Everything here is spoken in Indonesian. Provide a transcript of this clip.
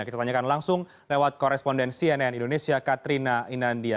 kita tanyakan langsung lewat koresponden cnn indonesia katrina inandia